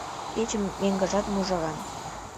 Пече меҥгыжат мужыран